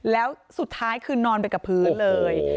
แล้วสุดท้ายคือนอนไปกับพื้นเลย